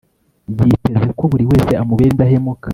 Yiteze ko buri wese amubera indahemuka